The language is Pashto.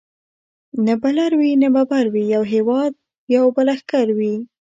نه به لر وي نه به بر وي یو هیواد یو به لښکر وي